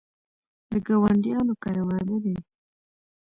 د ګاونډیانو کره واده دی